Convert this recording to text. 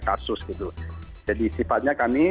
kasus gitu jadi sifatnya kami